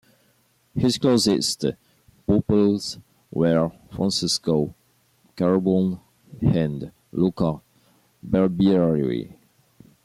His closest pupils were Francesco Carbone and Luca Barbieri.